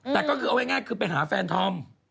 แต่ก็คือเอาง่ายคือไปหาแฟนธอม